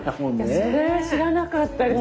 それは知らなかったです。